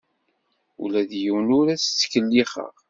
Ula d yiwen ur as-ttkellixeɣ.